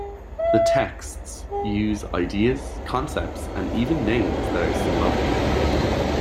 The texts use ideas, concepts and even names that are symbolic.